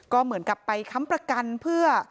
ก็เหมือนกับไปค้ำประกันเพื่อ